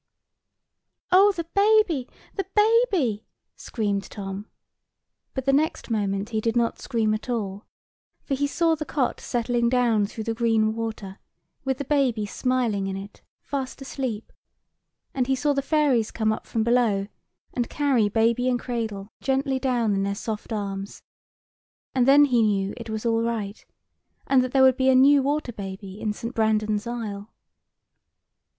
"Oh, the baby, the baby!" screamed Tom: but the next moment he did not scream at all; for he saw the cot settling down through the green water, with the baby, smiling in it, fast asleep; and he saw the fairies come up from below, and carry baby and cradle gently down in their soft arms; and then he knew it was all right, and that there would be a new water baby in St. Brandan's Isle.